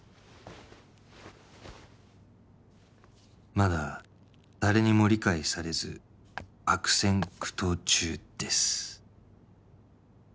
まだ誰にも理解されず悪戦苦闘中です